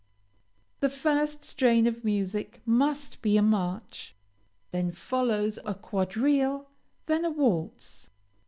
The first strain of music must be a march; then follows a quadrille, then a waltz.